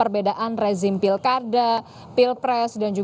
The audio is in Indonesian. islamat t lord setiap kekemal siapa mau